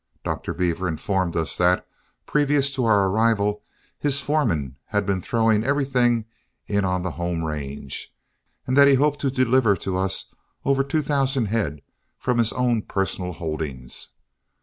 Dr. Beaver informed us that, previous to our arrival, his foreman had been throwing everything in on the home range, and that he hoped to deliver to us over two thousand head from his own personal holdings.